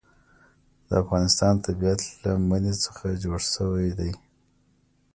د افغانستان طبیعت له منی څخه جوړ شوی دی.